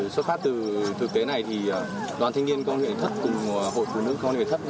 xuất phát từ thực tế này thì đoàn thanh niên công an huyện thách cùng hội phụ nữ công an huyện thách